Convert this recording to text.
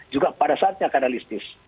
juga pada saatnya kanalistis